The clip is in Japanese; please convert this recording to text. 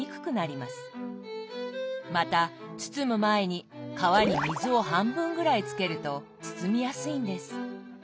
また包む前に皮に水を半分ぐらいつけると包みやすいんです。